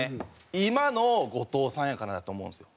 今の後藤さんやからだと思うんですよ。